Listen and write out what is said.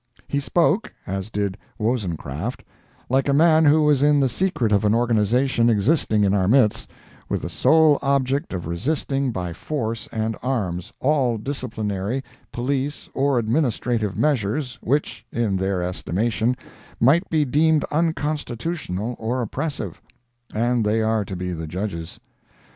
He spoke, as did Wozencraft, like a man who was in the secret of an organization existing in our midst, with the sole object of resisting by force and arms, all disciplinary, police or administrative measures which, in their estimation, might be deemed unconstitutional or oppressive; and they are to be the judges.